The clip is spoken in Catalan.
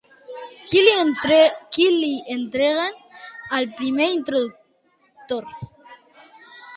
Què li entreguen al primer interlocutor?